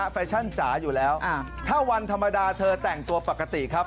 แฟชั่นจ๋าอยู่แล้วถ้าวันธรรมดาเธอแต่งตัวปกติครับ